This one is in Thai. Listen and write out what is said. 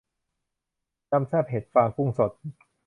ยำแซ่บเห็ดฟางกุ้งสด